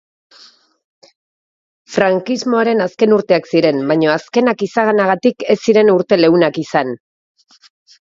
Franksimoaren azken urteak ziren, baina azkenak izanagatik ez ziren urte leunak izan.